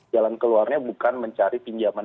jalan keluarnya bukan mencari pinjaman